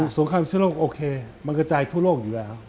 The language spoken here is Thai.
สงครามเชื้อโรคโอเคมันกระจายทั่วโลกอยู่แล้ว